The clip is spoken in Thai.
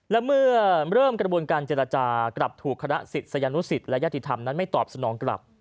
และเมื่อเริ่มกระบวนการเจรจากลับถูกคณะศิษยานุสิตและยติธรรมนั้นไม่ตอบสนองกลับ